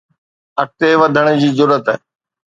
اڳتي وڌڻ جي جرئت